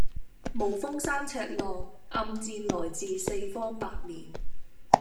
無風三尺浪，暗箭來自四方八面